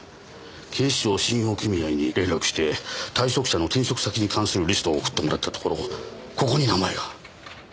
警視庁信用組合に連絡して退職者の転職先に関するリストを送ってもらったところここに名前が。